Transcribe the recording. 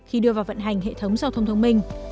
khi đưa vào vận hành hệ thống giao thông thông minh